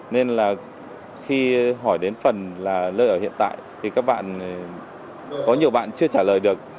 nên là khi hỏi đến phần là nơi ở hiện tại thì các bạn có nhiều bạn chưa trả lời được